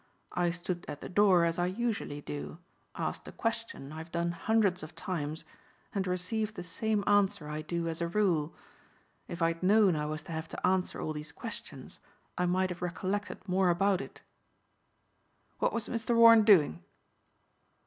I stood at the door as I usually do, asked a question I have done hundreds of times and received the same answer I do as a rule. If I'd known I was to have to answer all these questions I might have recollected more about it." "What was Mr. Warren doing?"